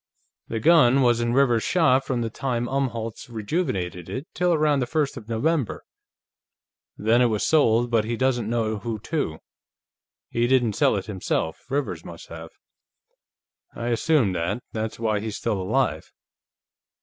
"The gun was in Rivers's shop from the time Umholtz rejuvenated it till around the first of November. Then it was sold, but he doesn't know who to. He didn't sell it himself; Rivers must have." "I assumed that; that's why he's still alive.